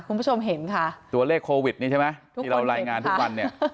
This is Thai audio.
คุณผู้ชมเห็นค่ะตัวเลขโควิดนี่ใช่ไหมที่เรารายงานทุกวันเนี่ย